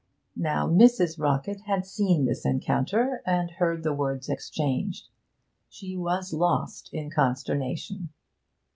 Now Mrs. Rockett had seen this encounter, and heard the words exchanged: she was lost in consternation.